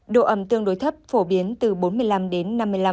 độ ẩm tương đối thấp phổ biến từ bốn mươi năm đến năm mươi năm